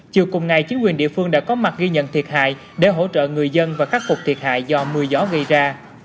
chiều cùng ngày chính quyền địa phương đã có mặt ghi nhận thiệt hại để hỗ trợ người dân và khắc phục thiệt hại do mưa gió gây ra